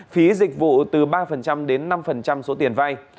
phí dịch vụ từ ba đến năm số tiền vay